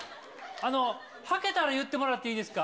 あの、はけたら言ってもらっていいですか。